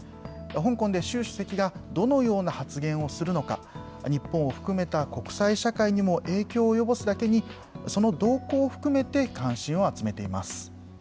香港で習主席がどのような発言をするのか、日本を含めた国際社会にも影響を及ぼすだけに、その動向を含めて関心を集めています。